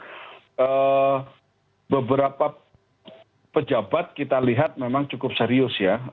pada saat ini kita lihat pejabat kita lihat memang cukup serius ya